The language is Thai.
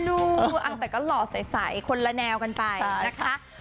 แต่ก็หล่อใสคนละแนวกันไปนะคะ